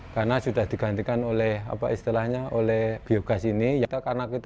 karena sudah digantikan oleh apa istilahnya oleh biogas ini